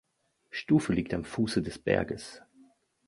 Stufe liegt am Fuße des Berges.